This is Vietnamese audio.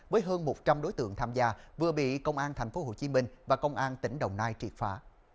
với hơn một trăm linh đối tượng tham gia vừa bị công an tp hcm và công an tỉnh đồng nai triệt phá